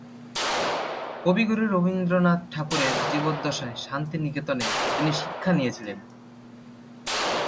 কবিগুরু রবীন্দ্রনাথ ঠাকুরের জীবদ্দশায় শান্তিনিকেতনে তিনি শিক্ষা নিয়েছিলেন।